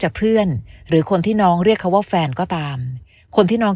เพื่อนหรือคนที่น้องเรียกเขาว่าแฟนก็ตามคนที่น้อง